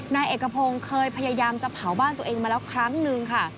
นายเอกพงศ์เคยพยายามจะเผาบ้านตัวเองมาแล้วครั้งนึงค่ะ